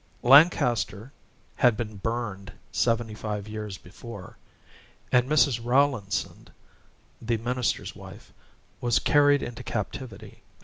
Lancaster had been burned seventy five years before, and Mrs. Rowlandson, the minister's wife, was carried into captivity.